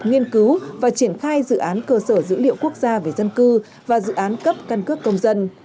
nghiên cứu và triển khai dự án cơ sở dữ liệu quốc gia về dân cư và dự án cấp căn cước công dân